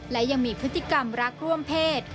และยังมีพฤติกรรมรักร่วมเพศ